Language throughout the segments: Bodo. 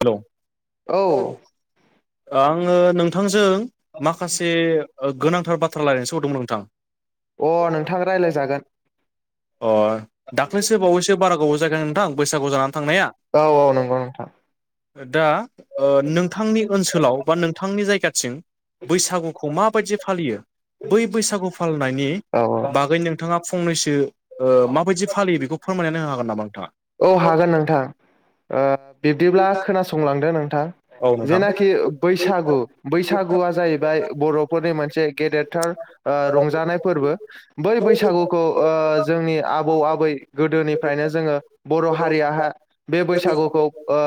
हेलौ औ आ आंङो नोंथांजों माखासे गोनांथार बाथ्रा रायलायनोसो हरदोंमोन नोंथां। अ नोंथां रायलायजागोन। अ दाख्लैसो बावैसो बारा गोबाव जायगोन नोंथां बैसागु जाना औ औ नंगौ नोंथां। दा ओ नोंथांनि ओनसोलाव बा नोंथांनि जायगाथिं बैसागुखौ मा बायदि फालियो बै बैसागु फालिनायनि औ औ बागै नोंथाङा फंनैसो ओ माबायदि फालियो बेखौ फोरमायनानै होनो हागोन नामा नोंथाङा? औ हागोन नोंथां ओ बिब्दिब्ला खोनासंलांदो नोंथां। औ नोंथां जेनाखि बैसागु बैसागुआ जाहैबाय बर'फोरनि मोनसे गेदेरथार ओ रंजानाय फोरबो बै बैसागुखौ ओ जोंनि आ आबौ आबै गोदोनिफ्रायनो जोंङो बर' हारियाहा बे बैसागुखौ ओ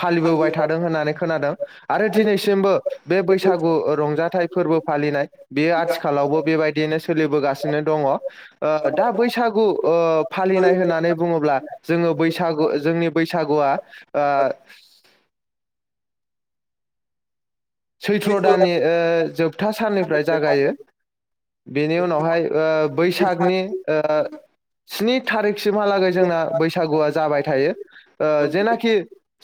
फालिबोबाय थादों होननानै खोनादों आरो दिनैसिमबो बे बैसागु रंजाथाइ फोरबो फालिनाय बेयो आथिखालावबो बेबायदिनो सोलिबोगासिनो दङ ओ दा बैसागु ओ फालिनाय होननानै बुङोब्ला बैसागु जोंनि बैसागुआ ओ सैथ्र' दाननि ओ जोबथा साननिफ्राय जागायो। बेनि उनावहाय ओ बैसागनि ओ स्नि थारिखसिमहालागै जोंना बैसागुआ जाबाय थायो ओ जेनाखि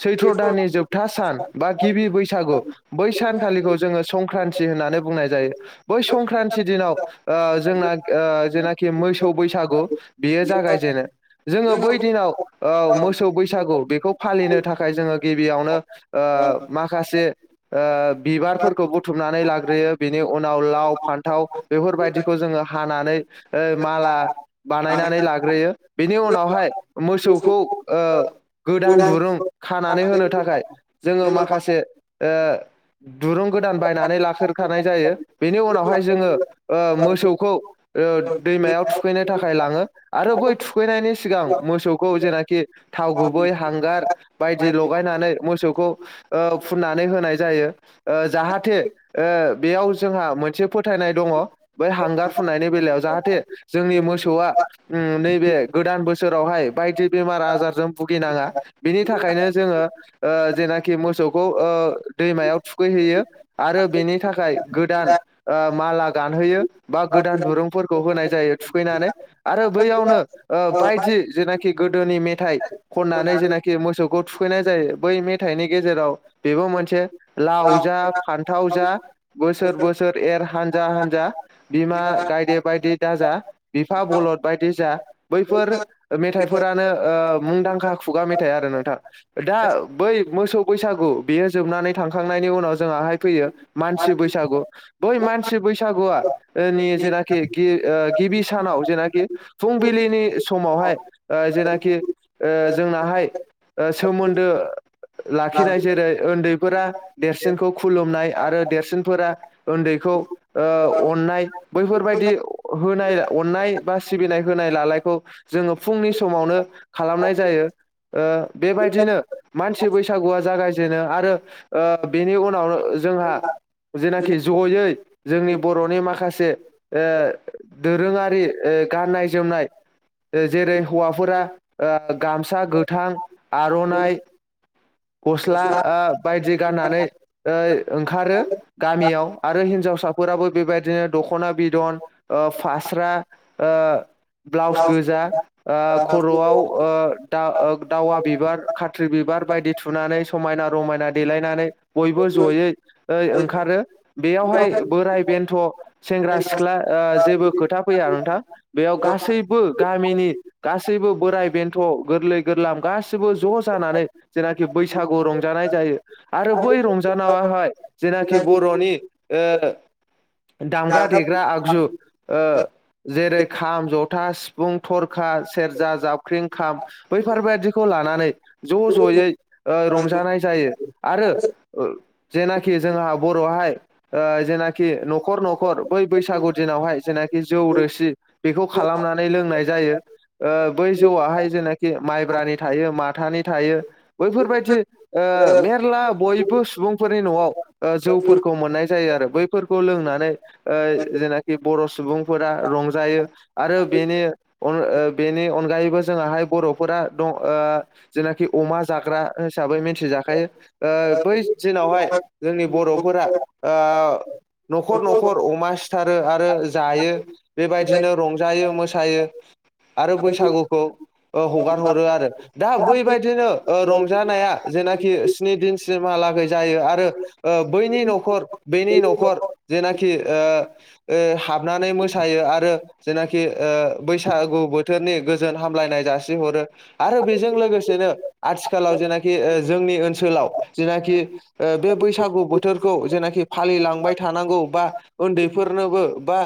सैथ्र' दाननि जोबथा सान बा गिबि बैसागु बै सानखालिखौ जोंङो संक्रान्ति होननानै बुंनाय जायो बै संक्रान्ति दिनाव ओ जोंङो ओ जेनाखि मोसौ बैसागु बेयो जागाय जेनो जोङो बै दिनाव ओ मोसौ बैसागु बेखौ फालिनो थाखाय जोङो गिबियावनो ओ माखासे ओ बिबारफोरखौ बुथुमनानै लाग्रोयो बिनि उनाव लाव फान्थाव बेफोरबायदिखौ जोङो हानानै ओ माला बानायनानै लाग्रोयो, बेनि उनावहाय मोसौखौ ओ गोदान दुरुं खानानै होनो थाखाय जोङो माखासे ओ दुरुं गोदान बायनानै लाखोरखानाय जायो बेनि उनावहाय जोङो ओ मोसौखौ ओ दैमायाव थुखैनो थाखाय लाङो आरो बै थुखैनायनि सिगां मोसौखौ जेनाखि थाव गुबै हांगार बायदि लगायनानै मोसौखौ ओ फुननानै होनाय जायो ओ जाहाथे ओ बेयाव जोंहा मोनसे फोथायनाय दङ बै हांगार फुननायनि बेलायाव जाहाथे जोंनि मोसौआ ओम नैबे गोदान बोसोरावहाय बायदि बेमार आजारजों भुगिनाङा बिनि थाखायनो जोङो ओ जेनाखि मोसौ खौ ओ दैमायाव थुखैहयो आरो बेनि थाखाय गोदान ओ माला गान होयो बा गोदान दुरुंफोरखौ होनाय जायो थुखैनानै आरो बैयावनो ओ बायदि जेनाखि गोदोनि मेथाइ खननानै जेनाखि मोसौखौ थुखैनाय जायो बै मेथाइनि गेजेराव बेबो मोनसे लाव जा फान्थाव जा बोसोर बोसोर एर हानजा- हानजा। बिमा गायदे बायदि दाजा बिफा बलद बायदि जा बैफोर मेथाइफोरानो ओ मुंदांखा खुगा मेथाइ आरो नोंथां। दा बै मोसौ बैसागु बेयो जोबनानै थांखांनायनि उनाव जोंआहाय फैयो मानसि बैसागु, बै मानसि बैसागुआ इनि जेनाखि ओ गिबि सानाव जेनाखि फुंबिलिनि समावहाय ओ जेनाखि ओ जोंनाहाय ओ सोमोन्दो लाखिनाय जेरै उन्दैफोरा देरसिनखौ खुलुमनाय आरो देरसिनफोरा उन्दैखौ ओ अननाय बैफोरबायदि होनाय अननाय बा सिबिनाय होनाय लालायखौ जोङो फुंनि स मावनो खालामनाय जायो। ओ बेबायदिनो मानसि बैसागुआ जागाय जेनो आरो ओ बेनि उनावनो जोंहा जेनाखि जयै जोंनि बर'नि माखासे ओ दोरोङारि ओ ओ गाननाय जोमनाय ओ जेरै हौवाफोरा ओ गामसा गोथां आर'नाइ गस स्ला ओ बायदि गाननानै ओ ओंखारो गामियाव आरो हिनजावसाफोराबो बेबायदिनो दख'ना बिदन ओ फास्रा ओ ब्लाउस गोजा ओ खर'आव ओ दाव दावा बिबार खाथ्रि बिब बार बाय थुनानै समायना रमायना देलायनानै बयबो ज'यै ऐ ओंखारो बेयावहाय बोराय बे बेन्थ' सेंग्रा सिख्ला ओ जेबो खोथा फैया नोंथां बेयाव गासैबो गामिनि गासैबो बोराय बेन्थ' गोरलै गोरलाम गासैबो ज' जानानै जेनाखि बैस सागु रंजानाय जायो आरो बै रंजानावाहाय जेनाखि बर'नि ओ दामग्रा देग्रा आगजु ओ जेरै खाम, ज'था, सिफुं, थरखा सेरजा, जाबख्रिं, खाम बैफोरबायदिखौ लानानै ज' ज'यै ओ रंजानाय जायो, आरो ओ जेनाखि जोंहा बर'हाय ओ जेना नाखि न'खर न'खर बै बैसागु दिनावहाय जेनाखि जौ रोसि बेखौ खालामनानै लोंनाय जायो ओ बै जौवाहाय जेनाखि माइब्रानि थायो माथानि थायो बैफोरबाय दि ओ मेरला बयबो सुबुंफोरनि न'आव ओ‌ जौफोरखौ मोननाय जायो आरो बैफोर खौ लोंनानै ओ जेनाखि बर' सुबुंफोरा रंजायो आरो बेनि अन ओ बेनिअनगायैबो जोङाहाय बर'फोरा दङ' ओ जेनाखि अमा जाग्रा होसाबै मिन्थिजाखायो। ओ बै दिनावहाय जोंनि बर'फोरा ओ न'खर न'खर अमा सिथारो आरो जायो बेबायदिनो रंजायो मोसायो आरो बैसागुखौ ओ हगार हरोआरो दा बैबायदिनो ओ रं जानाया जेनाखि स्नि दिनसिमहालागै जायो आरो ओ बैनि न'खर बेनि न' खर जेनाखि ओ ओ हाबनानै मोसायो आरो जेनाखि ओ बैसागु बोथोरनि गोजोन हामलायनाय जासिहरो आरो बेजों लोगोसेनो आथि खालाव जेनाखि ओ जोंनि ओनसोलाव जेनाखि ओ बे बैसागु बोथोरखौ जेनाखि फालि लांबाय थानांगौ बा उन्दैफोरनोबो बा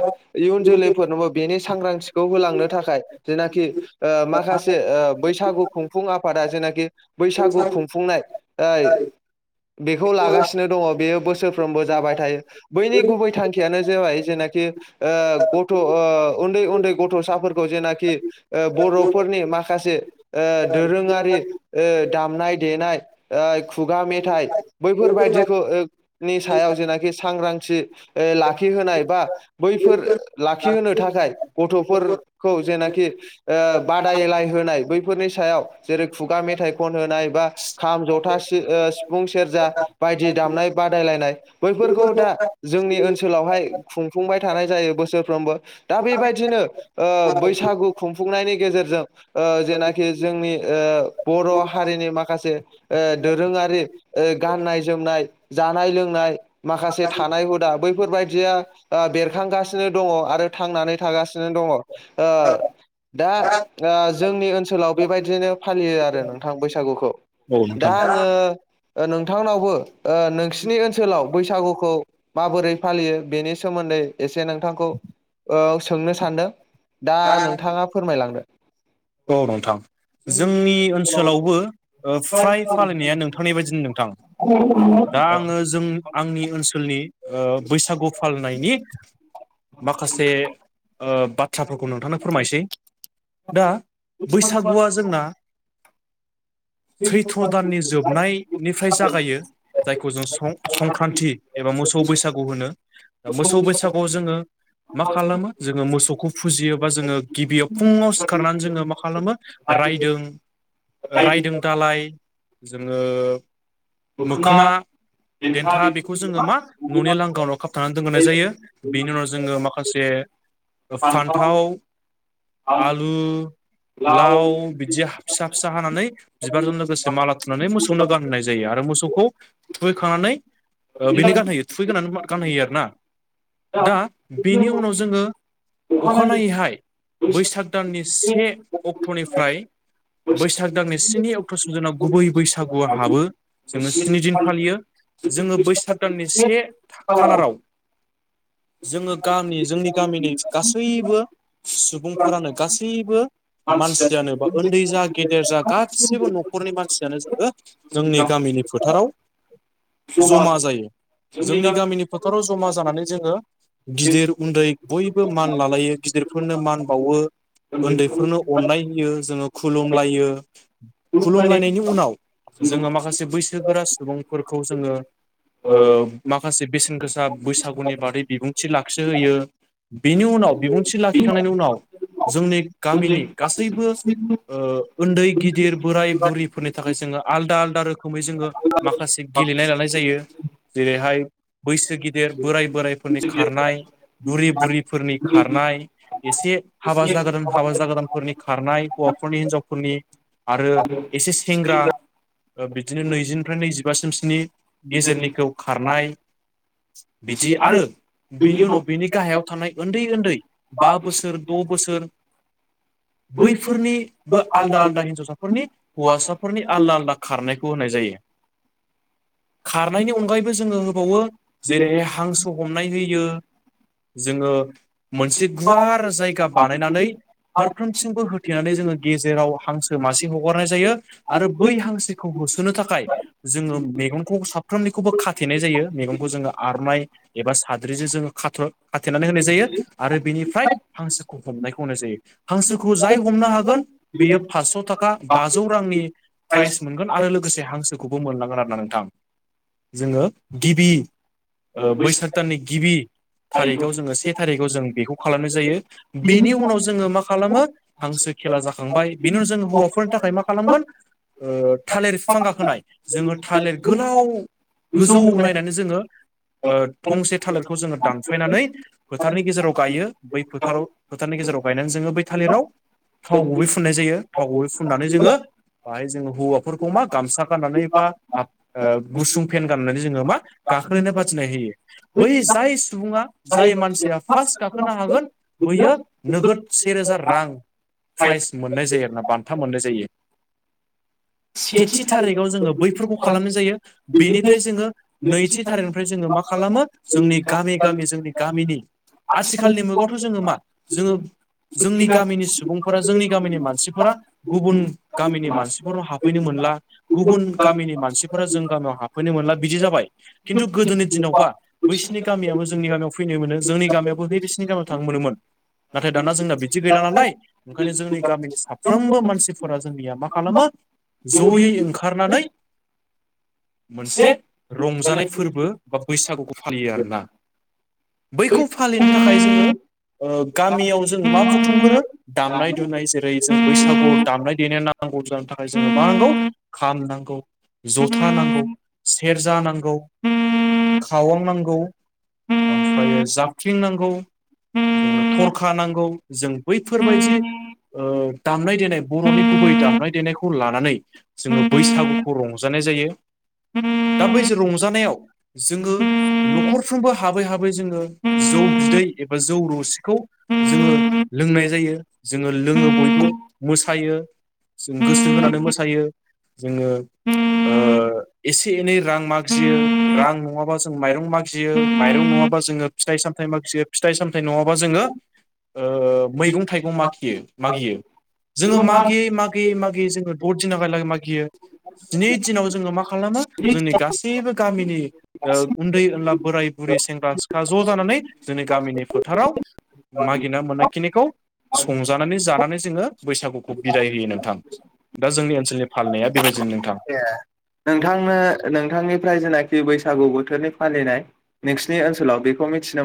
इयुन जोलैफोरनोबो बेनि सांग्रांथिखौ होलांनो थाखाय जेनाखि ओ माखासे ओ बैसागु खुंफुं आफादा जेनाखि बैसागु खुंफुंनाय ओइ बेखौ लागासिनो दङ' बेयो बोसोरफ्रोमबो जाबाय थायो बैनि गुबै थांखियानो जोबाय जेना खि ओ गथ' ओ उन्दै उन्दै गथ'साफोरखौ जेनाखि ओ बर'फोरनि माखासे ओ दोरोङारि ओ दामनाय देनाय ओइ खुगा मेथाइ बैफोरबायदिखौ ओ नि सायाव जेनाखि सांग्रांथि ओ लाखिहोनाय बा बैफोर लाखिहोनो थाखाय गथ'फोर खौ जेनाखि ओ बादायलाय होनाय बैफोरनि सायाव जेरै खु गा मेथाइ खन होनाय, बा खाम ज'था सि ओ सिफुं सेरजा बायदि दामनाय बादायलायनाय। बैफोरखौ दा जोंनि ओनसोलावहाय खुंफुंबाय थानाय जायो बोसोरफ्रोमबो दा बेबाय दिनो ओ बैसागु खुंफुंनायनि गेजेरजों ओ जेनाखि जोंनि ओ बर' हारिनि माखासे ओ दोरोङारि ओ गाननाय जोमनाय जानाय लोंनाय माखासे थानाय हुदा बैफोरबायदिया ओ बेरखांगासिनो दङ' आरो थांनानै थागासिनो द ङ' ओ दा ओ जोंनि ओनसोलाव बेबायदिनो फालियो आ रो नोंथां बैसागुखौ औ दा नोंथां आङो ओ नोंथांनावबो ओ नोंसिनि ओनसोलाव बैसागुखौ माबोरै फालियो बेनि सोमोन्दै एसे नोंथांखौ ओ सोंनो सान्दों । दा नोंथाङा फोरमायलांदो? औ नोंथां जोंनि ओनसोलावबो ओ फ्राय फालिनाया नोंथांनि बायदिनो नोंथां दा औ आङो जों आंनि ओनसोलनि ओ बैसागु फालिनायनि माखासे ओ बाथ्राफोरखौ नोंथांनो फोरमायसै दा बैसागुआ जोंना सैथ्र' दाननि जोबनायनिफ्राय जागायो जायखौ जों सं-संक्रान्त्रि एबा मोसौ बैसागु होनो दा मोसौ बैसागुआव जोङो मा खालामो जोङो मोसौखौ फुजियो बा जोङो गिबियाव फुङाव सिखारनानै जोङो मा खालामो राइदों राइदों दालाइ जोङो मोखोना देन्था बेखौ जोङो मा न'नि लांगावनाव खाबथाना दोनग्रोनाय जायो बेनि उनाव जोङो माखासे ओ फान्थाव आलु लाव बिदि हा फिसा फिसा हानानै बिबारजों लोगोसे माला थुनानै मोसौनो गानहोनाय जायो आरो मो मोसौखौ थुखैखांनानै ओ बेनो गानहोयो थुखैगोननानै गानहोयो आरोना । दा बेनि उनाव जोङो अखानायैहाय बैसाग दाननि से अक्टनिफ्राय बैसाग दांनै स्नि अक्टस जोंनाव गुबै बैसागुआ हाबो जोङो स्नि दिन फालियो जोङो बैसाग दाननि से‌ खा खालाराव जोङो गामि जोंनि गामिनि गासैबो सुबुंफोरानो गासैबो मानसियानो बा ओन्दै जा गेदेर जा गासिबो नखरनि मानसियानो जोङो जोंनि गामि गामिनि फोथाराव जमा जायो । जोंनि गामिनि फोथाराव जमा जानानै जोङो गिदिर उन्दै बयबो मान लालायो गिदिरफोरनो मान बावो ओन्दैफोरनो नो अननाय होयो जोङो खुलुमलायो खुलुमलायनायनि उनाव जोङो माखासे बैसोगोरा सुबुंफोरखौ जोङो ओ माखासे बेसेन गोसा बैसागुनि बादै बिबुंथि लाखिहोयो । बिनि उनाव बिबुंथि लाखिखांनायनि उनाव जोंनि गामिनि गासैबो ओ उन्दै गिदिर बोराय बुरैफोरनि थाखाय जोङो आलदा आलदा रोख रोखोमै जोङो माखासे गेलेनाय लानाय जायो जेरैहाय बैसो गिदेर बोराय बोराइफोरनि खारनाय बुरि बुरिफोरनि खारनाय एसे हाबा जागोदान हाबा जागोदानफोरनि खारनाय हौवाफोरनि हिनजावफोरनि आरो एसे सेंग्रा बिदिनो नैजिनिफ्राय नैजिबासिम सोनि गेजेरनिखौ खारनाय बिदि आरो बिनि उनाव बिनि गाहायाव थानाय ओन्दै ओन्दै बा बोसोर द बोसोर बैफोरनिबो आलदा आलदा हिनजावसाफोरनि हौवासाफोरनि आलदा आलदा खारनायखौ होनाय जायो । खारनायनि अनगायैबो जोङो होबावो जेरैहाय हांसो हमनाय होयो । जोङो मोनसे गुवार जायगा बानायनानै फारफ्रोमथिंबो होथेनानै जोङो गेजेराव हांसो मासे हगारनाय जायो आरो बै हांसोखौ खौ होसोनो थाखाय जोङो मेगंखौ साफ्रोमनिखौबो खाथेनाय जायो मेगंखौ जोङो आरनाय एबा साद्रिजों जोङो खाथ्र खाथेनानै होनाय जायो आरो बेनिफ्राय हांसो हमनायखौ होनाय जायो । हांसोखौ जाय हमनो हागोन बेयो फास्स खा बाजौ रांनि प्राइस मोनगोन आरो लोगोसे हांसोखौबो मोनलांगोन आरो ना नोंथां । जोङो गिबि ओ बैसाग दाननि गिबि थारिखआव जोङो से थारिखआव जों बेखौ खालामनाय जायो बेनि उनाव जोङो मा खालामो हांसो खेला जाखांबाय बेनि उनाव जों हौवाफोरनि थाखाय मा खालामो [unintelligible] ओ थालिर बिफां गाखोनाय जोङो थालिर गोलाव गोजौ नायनानै जोङो ओ थंसे थालिरखौ जोङो दानफायनानै फोथारनि गेजेराव गायो बै फोथाराव फोथारनि गेजेराव गायनानै जोङो बै थालिराव थाव गुबै फुननाय जायो थाव गुबै फुननानै जोङो बाहाय जोङो हौवाफोरखौ मा गामसा गाननानै बा हाब गुसुं फेन गाननानै जोङो मा गाखोलायनाय बादिनाय होयो बै जाय सुबुङा जाय मानसिया फार्स्ट गाखोनो हागोन बैयो नोगोद सेेरोजा रां प्राइज मोननाय जायो आरोना बान्था मोननाय जायो । सेथि थारिखाव जोङो बैफोरखौ खालामनाय जायो बेनिफ्राय जोङो नैथि थारिखनिफ्राय जोङो खालामो जोंनि गामि गामि जोंनि गामिनि आथिखालनि मुगावथ जोङो मा जोङो जोंनि गामिनि सुबुंफोरा जोंनि गामिनि मानसिफोरा गुबुन गामिनि मानसिफोर [unintelligible] फैनो मोनला गुबुन गामिनि मानसिफोरा जों गामियाव हाबफैनो मोनला बिदि जाबाय खिन्थु गोदोनि दिनाव यावबा बैसोनि गामियाबो जोंनि गामियाव फैनो मोनो जोंनि गामियाबो बे बिसोरनि गामियाव थांनो मोनोमोन । नाथाय दाना [unintelligible] बिदि गैला नालाय ओंखायनो जोंनि गामिनि साफ्रोमबो मानसिफोरा जोंनिया मा खालामो जयै ओंखारनानै मोनसे रंजानाय फोरबो बा बैसागुखौ फालियो आरोना बैखौ फालिनो थाखाय जोङो ओ गामियाव जों मा बुथुमग्रो दामनाय दुनाय जेरै जों बैसागु दामनाय देनाय नांगौ जानो थाखाय जोङो मा नांगौ? खाम नांगौ, जथा नांगौ । खावां नांगौ ओमफ्राय जाफथिं नांगौ जोंनो थरखा नांगौ जों बैफोरबायदि ओ दामनाय देनाय बर'नि गुबै दामनाय देनायखौ लानानै जोङो बैसागुखौ रंजानाय जायो दा बै रंजानायाव जोङो न'खरफ्रोमबो हाबै हाबै जोङो जौ बिदै एबा जौ रोसिखौ जोङो लोंनाय जायो जोङो लोङो बयबो मोसायो । जों गोसो होनानै मोसायो जोङो ओ एसे एनै रां मागियो रां नङाबा जों माइरं मागियो । माइरं नङाबा जोङो फिथाइ सामथायाइ मागियो फिथाइ सामथायाइ नङाबा जोङो ओ मैगं थाइगं मागियो मागियो जोङो मागियै मागियै मागियै जोङो द' दिनहालागै मागियो स्नि दिनाव जों मा खालामो जोंनि गासिबो गामिनि ओ उन्दै उनला बोराय बुरै सें ग्रा सिख्ला ज' जानानै जोंनि गामिनि फोथाराव मा गिना मोननाय खिनिखौ संजानानै जानानै जोङो बैसागुखौ बिदाय होयो नोंथां । दा जोंनि ओनसोलनि फालिनाया बेबायदिनो नोंथां । नोंथांनो नोंथांनिफ्राय जेनाखि बैसागु बोथोरनि फालिनाय नोंसिनि ओनसोलाव बेखौ मिथिनो मोन